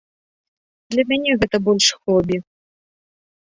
Для мяне гэта больш хобі.